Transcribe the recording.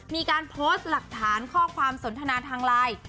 มีการโพสต์หลักฐานข้อความสนทนาทางไลน์